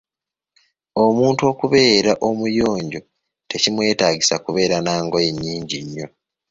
Omuntu okubeera omuyonjo tekimwetaagisa kubeera n'angoye nyingi nnyo.